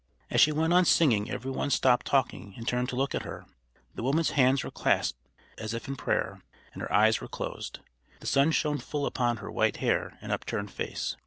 As she went on singing every one stopped talking and turned to look at her. The woman's hands were clasped as if in prayer, and her eyes were closed. The sun shone full upon her white hair and upturned face.